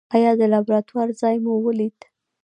ایا د لابراتوار ځای مو ولید؟